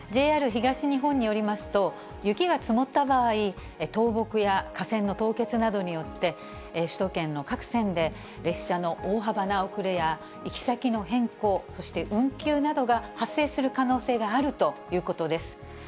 ＪＲ東日本によりますと、雪が積もった場合、倒木や架線の凍結などによって、首都圏の各線でえ列車の大幅な遅れや、行き先の変更、そして運休などが発生する可能性があるということです。